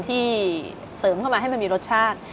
ที่เสริมเข้ามาให้มันมีรสชาติ